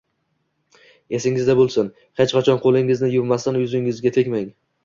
Esingizda bo'lsin: hech qachon qo'lingizni yuvmasdan yuzingizga tegmang!